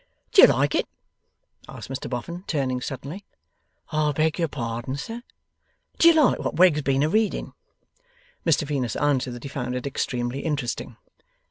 'Do you like it?' asked Mr Boffin, turning suddenly. 'I beg your pardon, sir?' 'Do you like what Wegg's been a reading?' Mr Venus answered that he found it extremely interesting.